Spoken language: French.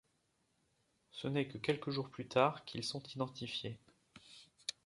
Ce n'est que quelques jours plus tard qu'ils sont identifiés.